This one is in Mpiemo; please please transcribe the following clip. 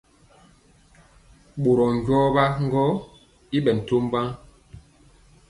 Ɓorɔ jɔɔ wa gɔ i ɓɛ tom wen.